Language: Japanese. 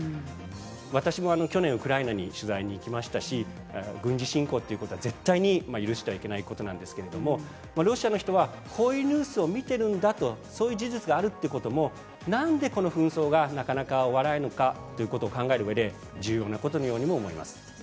私も去年、ウクライナに取材に行きましたし軍事侵攻ということは絶対に許してはいけないことなんですけれどロシアの人はこういうニュースを見ているんだとそういう事実があるということもなんでこの紛争がなかなか終わらないのかというのを考えるうえで重要なことのように思います。